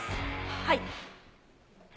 はい。